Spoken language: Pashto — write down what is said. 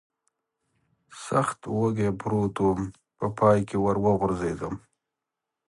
سخت وږی پروت ووم، په پای کې ور وغورځېدم.